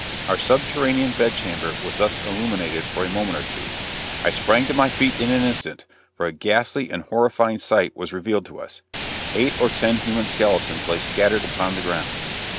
Our subterranean bed chamber was thus illuminated for a moment or two; I sprang to my feet in an instant for a ghastly and horrifying sight was revealed to us. Eight or ten human skeletons lay scattered upon the ground.